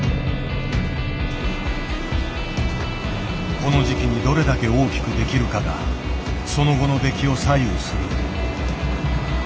この時期にどれだけ大きくできるかがその後の出来を左右する。